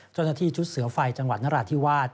จนที่ชุดเสือไฟจังหวัดนราธิวาส